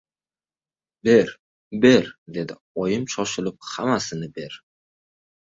— Ber, ber! — dedi oyim shoshilib. — Hammasini ber.